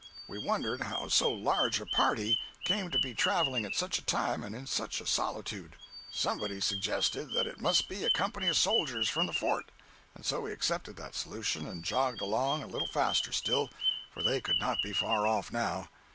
We wondered how so large a party came to be traveling at such a time and in such a solitude. Somebody suggested that it must be a company of soldiers from the fort, and so we accepted that solution and jogged along a little faster still, for they could not be far off now.